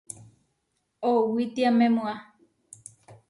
Owítiamemua.